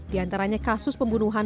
di antaranya kasus pembunuhan